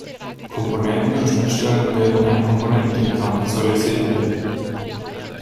Komponenten und Schnittstellen werden in einem Komponentendiagramm visualisiert werden.